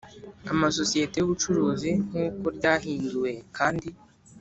amasosiyeti y ubucuruzi nk uko ryahinduwe kandi